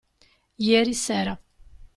Ieri sera.